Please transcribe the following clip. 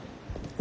何？